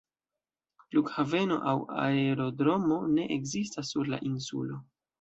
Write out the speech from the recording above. Flughaveno aŭ aerodromo ne ekzistas sur la insulo.